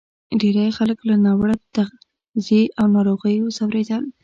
ډېری خلک له ناوړه تغذیې او ناروغیو ځورېدل.